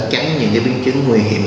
tránh những biến chứng nguy hiểm